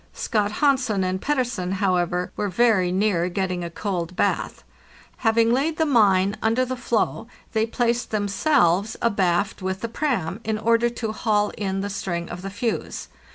Scott Hansen and Pettersen, however, were very near getting a cold bath. Having laid the mine under the floe, they placed themselves abaft with the "pram," * in order to haul in the string of the fuse.